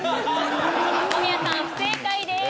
小宮さん不正解です。